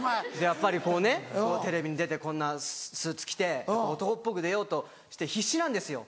やっぱりこうねテレビに出てこんなスーツ着て男っぽく出ようとして必死なんですよ。